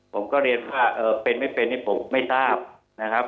ผมก็เรียนว่าเป็นไม่เป็นนี่ผมไม่ทราบนะครับ